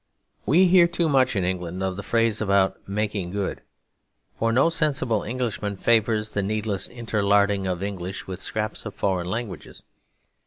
We hear too much in England of the phrase about 'making good'; for no sensible Englishman favours the needless interlarding of English with scraps of foreign languages.